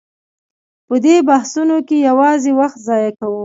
په دې بحثونو کې یوازې وخت ضایع کوو.